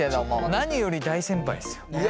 何より大先輩ですよ。